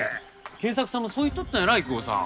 賢作さんもそう言っとったんやら郁夫さん。